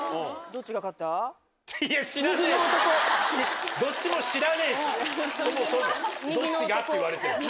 どっちがって言われても。